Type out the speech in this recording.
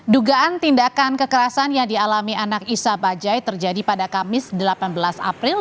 dugaan tindakan kekerasan yang dialami anak isa bajai terjadi pada kamis delapan belas april